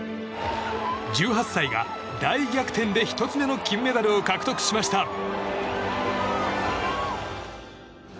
１８歳が大逆転で１つ目の金メダルを獲得しました。